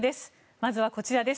まずはこちらです。